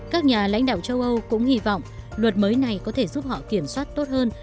các nhà lãnh đạo châu âu cũng hy vọng luật mới này có thể giúp họ kiểm soát tốt hơn